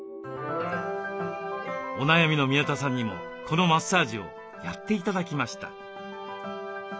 お悩みの宮田さんにもこのマッサージをやって頂きました。